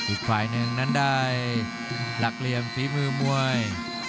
อีกฝ่ายหนึ่งนั้นได้หลักเหลี่ยมฝีมือมวย